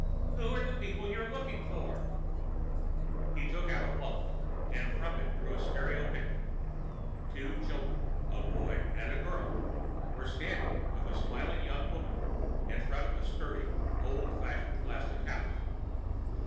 "Who are the people you're looking for?" He took out a wallet, and from it drew a stereo picture. Two children, a boy and a girl, were standing with a smiling young woman in front of a sturdy, old fashioned plastic house.